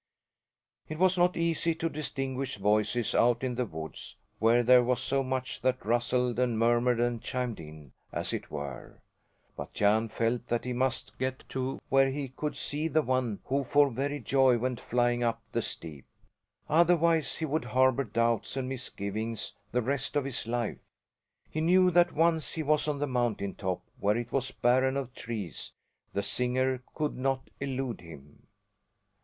It was not easy to distinguish voices out in the woods, where there was so much that rustled and murmured and chimed in, as it were. But Jan felt that he must get to where he could see the one who for very joy went flying up the steep. Otherwise he would harbour doubts and misgivings the rest of his life. He knew that once he was on the mountain top, where it was barren of trees, the singer could not elude him.